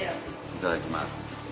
いただきます。